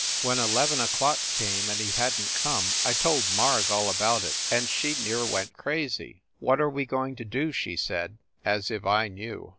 When eleven o clock came, and he hadn t come, I told Marg all about it, and she near went crazy. What are we go ing to do? she said as if I knew!